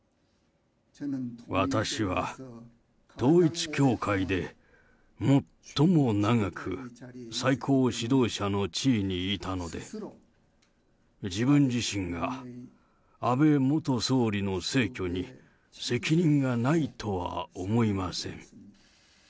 私は統一教会で最も長く最高指導者の地位にいたので、自分自身が安倍元総理の逝去に責任がないとは思いません。